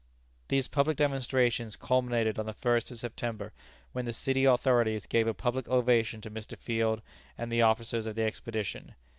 These public demonstrations culminated on the first of September, when the city authorities gave a public ovation to Mr. Field and the officers of the expedition.